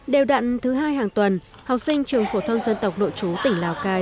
đều đặn thứ hai hàng tuần học sinh trường phổ thông dân tộc đội trú tỉnh lào cai